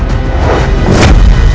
atau tentang kakaknya